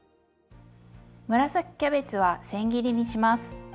紫キャベツはせん切りにします。